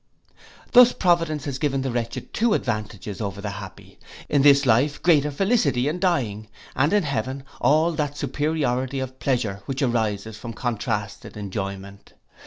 Thus providence has given the wretched two advantages over the happy, in this life, greater felicity in dying, and in heaven all that superiority of pleasure which arises from contrasted enjoyment.